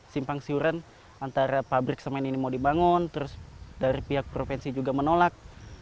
simpang siuran antara pabrik semen ini mau dibangun terus dari pihak provinsi juga menolak